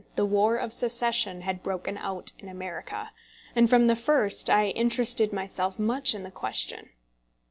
] In 1861 the War of Secession had broken out in America, and from the first I interested myself much in the question.